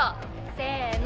せの。